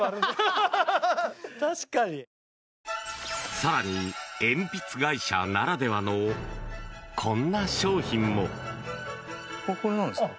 更に、鉛筆会社ならではのこんな商品も。